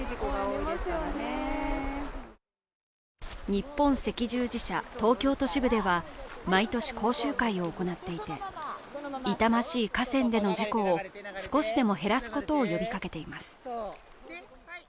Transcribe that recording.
日本赤十字社東京都支部では、毎年、講習会を行っていて、痛ましい河川での事故を少しでも減らすことを呼びかけています。